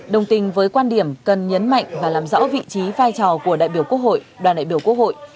đồng tình với quan điểm cần nhấn mạnh và làm rõ vị trí vai trò của đại biểu quốc hội đoàn đại biểu quốc hội